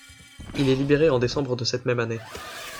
Il est libéré en décembre de cette même année.